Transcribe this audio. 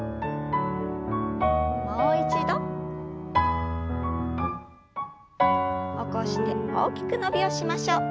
もう一度。起こして大きく伸びをしましょう。